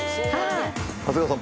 長谷川さん